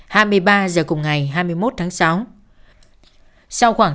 hai mươi ba h cùng ngày hai mươi một tháng sáu